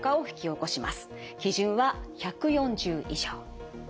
基準は１４０以上。